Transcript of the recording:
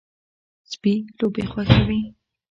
سپي لوبې خوښوي.